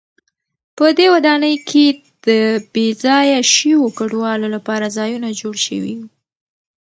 په دې ودانۍ کې د بې ځایه شویو کډوالو لپاره ځایونه جوړ شوي و.